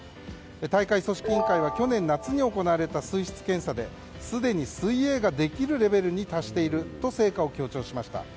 大会組織委員会は去年夏に行われた水質検査ですでに水泳ができるレベルに達していると成果を強調しました。